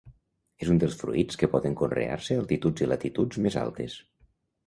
És un dels fruits que poden conrear-se a altituds i latituds més altes.